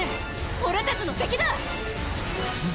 俺たちの敵だ！